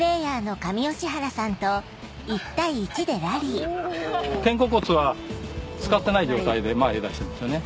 ・おぉ・肩甲骨は使ってない状態で前へ出してんですよね？